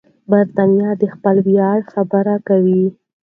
برتانیه د خپل ویاړ خبرې کوي.